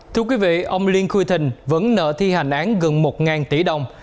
thưa quý vị ông liên khôi thình vẫn nợ thi hành án gần một tỷ đồng